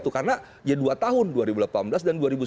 karena ya dua tahun dua ribu delapan belas dan dua ribu sembilan belas